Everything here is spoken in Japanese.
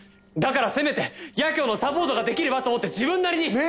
だからせめて八京のサポートができればと思って自分なりに。